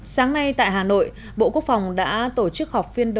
sáng nay tại hà nội bộ quốc phòng đã tổ chức họp phiên đầu